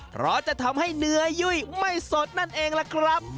เพราะจะทำให้เนื้อยุ่ยไม่สดนั่นเองล่ะครับ